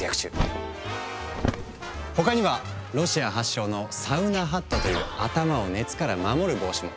他にはロシア発祥の「サウナハット」という頭を熱から守る帽子も。